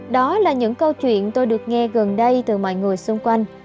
đó là những câu chuyện tôi được nghe gần đây từ mọi người xung quanh